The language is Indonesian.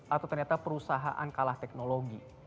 atau ternyata perusahaan kalah teknologi